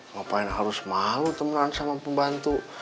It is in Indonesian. ngapain harus malu teman sama pembantu